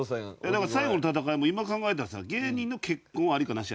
だから最後の戦いも今考えたらさ「芸人の結婚はアリかナシ」